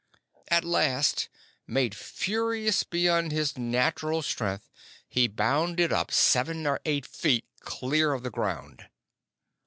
At last, made furious beyond his natural strength, he bounded up seven or eight feet clear of the ground.